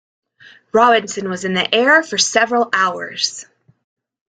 Robinson was in the air for several hours.